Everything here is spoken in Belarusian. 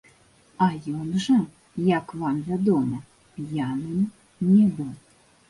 А ён жа, як вам вядома, п'яным не быў.